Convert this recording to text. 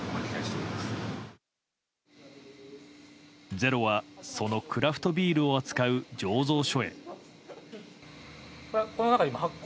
「ｚｅｒｏ」はそのクラフトビールを扱う醸造所へ。